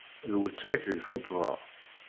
D weltma-k di tuṭṭda.